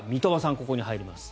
ここに入ります。